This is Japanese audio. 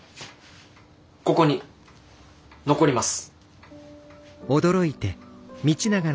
ここに残ります。